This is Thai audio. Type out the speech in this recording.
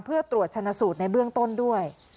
เพื่อตรวจชนะสูตรในเบื้องต้นด้วย